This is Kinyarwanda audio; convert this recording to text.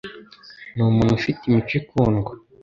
Ni umuntu ufite imico ikundwa.